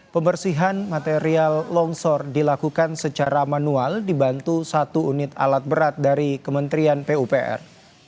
pembersihan material longsor dilakukan secara manual dibantu satu unit alat berat dari kementerian pupr